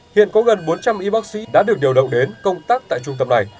hiện có gần bốn trăm linh y bác sĩ đã được điều động đến công tác tại trung tâm này